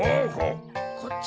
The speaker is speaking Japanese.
こっち？